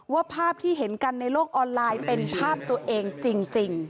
ว่าภาพที่เห็นกันในโลกออนไลน์เป็นภาพตัวเองจริง